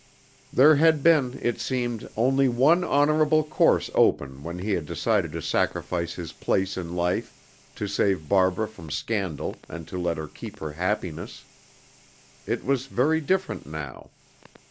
There had been, it seemed, only one honorable course open when he had decided to sacrifice his place in life to save Barbara from scandal and to let her keep her happiness. It was very different now.